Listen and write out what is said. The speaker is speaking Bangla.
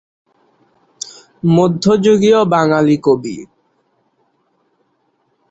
মধ্যযুগীয় বাঙালি কবি।